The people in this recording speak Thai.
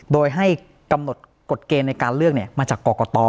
โดยให้กำหนดกฎเกณฑ์ในการเลือกมาจากกรกต